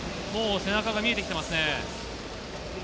背中が見えてきていますね。